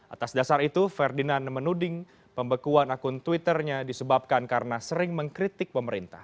atas dasar itu ferdinand menuding pembekuan akun twitternya disebabkan karena sering mengkritik pemerintah